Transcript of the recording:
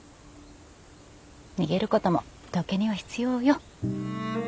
逃げることも時には必要よ。